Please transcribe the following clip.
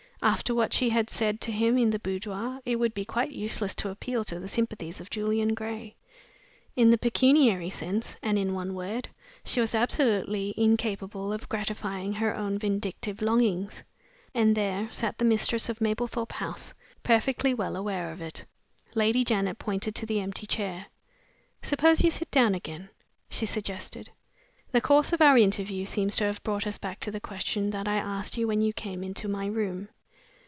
After what she had said to him in the boudoir, it would be quite useless to appeal to the sympathies of Julian Gray. In the pecuniary sense, and in one word, she was absolutely incapable of gratifying her own vindictive longings. And there sat the mistress of Mablethorpe House, perfectly well aware of it. Lady Janet pointed to the empty chair. "Suppose you sit down again?" she suggested. "The course of our interview seems to have brought us back to the question that I asked you when you came into my room.